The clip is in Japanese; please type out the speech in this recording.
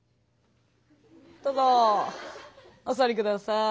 どうぞお座り下さい。